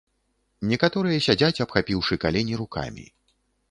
Некаторыя сядзяць, абхапіўшы калені рукамі.